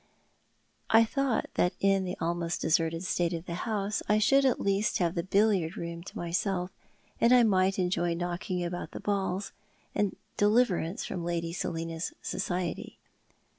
I thought that in the almost deserted state of the house I should at least have the billiard room to myself, and might enjoy knocking about the balls, and deliver ance from Lady Selina's society.